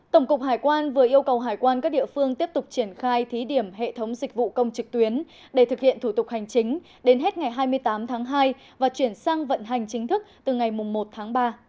tổng cục hải quan vừa yêu cầu hải quan các địa phương tiếp tục triển khai thí điểm hệ thống dịch vụ công trực tuyến để thực hiện thủ tục hành chính đến hết ngày hai mươi tám tháng hai và chuyển sang vận hành chính thức từ ngày một tháng ba